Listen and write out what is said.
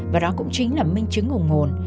và đó cũng chính là minh chứng ủng hộn